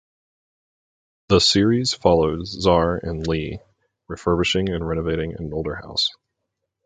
The series followed Czar and Leigh refurbishing and renovating an older house.